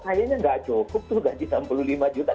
kok kayaknya tidak cukup tuh gaji rp enam puluh lima juta